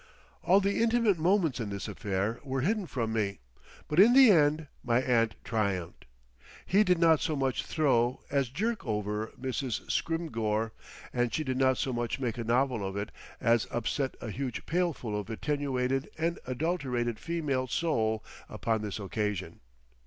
All the intimate moments in this affair were hidden from me, but in the end my aunt triumphed. He did not so much throw as jerk over Mrs. Scrymgeour, and she did not so much make a novel of it as upset a huge pailful of attenuated and adulterated female soul upon this occasion.